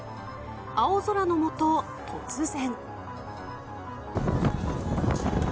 青空の下、突然。